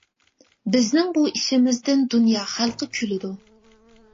بىزنىڭ بۇ ئىشىمىزدىن دۇنيا خەلقى كۈلىدۇ.